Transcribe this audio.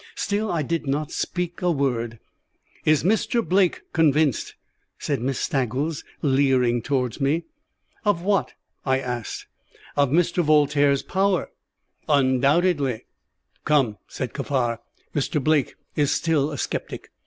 Still I did not speak a word. "Is Mr. Blake convinced?" said Miss Staggles, leering towards me. "Of what?" I asked. "Of Mr. Voltaire's power." "Undoubtedly." "Come," said Kaffar, "Mr. Blake is still a sceptic.